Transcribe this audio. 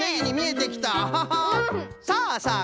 さあさあ